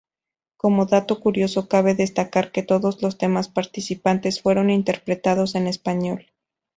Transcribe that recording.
Como dato curioso, cabe destacar que todos los temas participantes fueron interpretados en español.